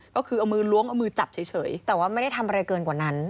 ก็คือเอามือล้วงเอามือจับเฉยแต่ว่าไม่ได้ทำอะไรเกินกว่านั้น